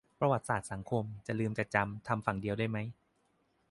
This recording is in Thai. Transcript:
ประวัติศาสตร์สังคม จะลืมจะจำ ทำฝั่งเดียวได้ไหม